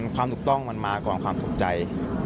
ความถูกต้องมันมาก่อนความถูกใจ